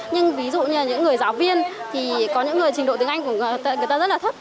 nhưng ví dụ như là những người giáo viên thì có những người trình độ tiếng anh của người ta rất là thấp